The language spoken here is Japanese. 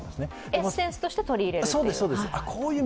エッセンスとして取り入れるという？